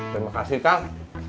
terima kasih kang